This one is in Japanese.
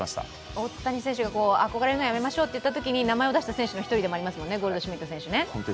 大谷選手が憧れるのをやめましょうといったときに、名前を出した選手の１人ですもんね、ゴールドシュミット選手はね。